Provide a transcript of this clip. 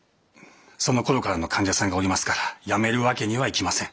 そのころからの患者さんがおりますからやめる訳にはいきません。